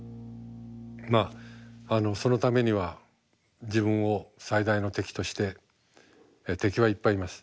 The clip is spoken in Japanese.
まあそのためには自分を最大の敵として敵はいっぱいいます。